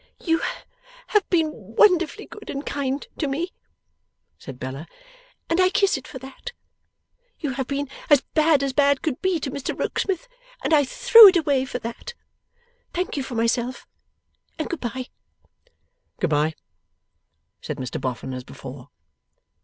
'You have been wonderfully good and kind to me,' said Bella, 'and I kiss it for that. You have been as bad as bad could be to Mr Rokesmith, and I throw it away for that. Thank you for myself, and good bye!' 'Good bye,' said Mr Boffin as before.